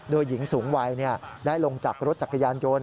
โดยหญิงสูงวัยได้ลงจากรถจักรยานยนต์